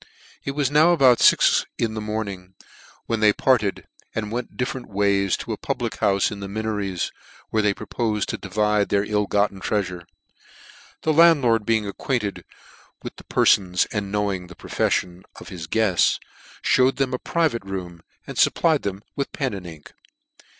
It was now about fix in the morning, when they parted, and went dif ferent ways to a public houfe in the Minorits^ where they propo'fed to divide their ill gotten treafure. The landlord being acquainted with the perfons, and knowing the profefllon of" his guefts, fhewed them a private room, and fupplied them with pen and ink.